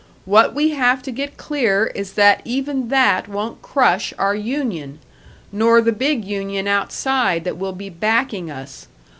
What we have to get clear is that even that won't crush our union! Nor the big union outside, that will be backing us!